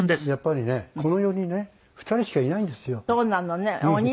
やっぱりねこの世にね２人しかいないんですよ。